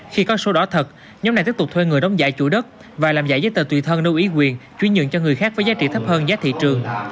khi có số đỏ thật nhóm này tiếp tục thuê người đóng giả chủ đất và làm giải giấy tờ tùy thân lưu ý quyền chuyên nhường cho người khác với giá trị thấp hơn giá thị trường